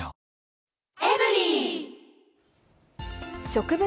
植物